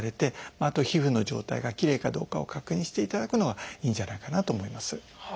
あと皮膚の状態がきれいかどうかを確認していただくのがいいんじゃないかなと思います。